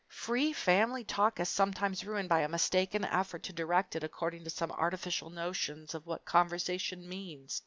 Free family talk is sometimes ruined by a mistaken effort to direct it according to some artificial notions of what conversation means.